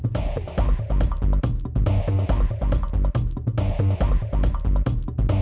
terima kasih bu